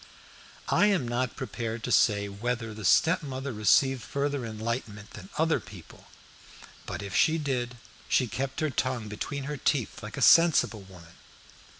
I am not prepared to say whether the stepmother received further enlightenment than other people, but if she did she kept her tongue between her teeth like a sensible woman.